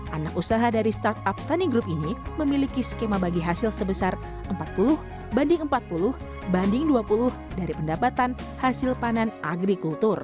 anak usaha dari startup tuning group ini memiliki skema bagi hasil sebesar empat puluh banding empat puluh banding dua puluh dari pendapatan hasil panen agrikultur